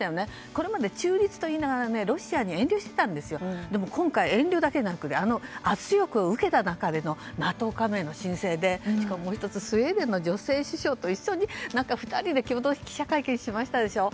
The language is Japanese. これまでは中立といいながらロシアに遠慮していたんですが今回は遠慮だけじゃなくあの圧力を受けた中でのＮＡＴＯ加盟の申請でしかももう１つスウェーデンの女性首相と一緒に２人で共同記者会見しましたでしょ。